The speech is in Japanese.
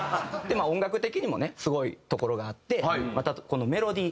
音楽的にもねすごいところがあってこのメロディー。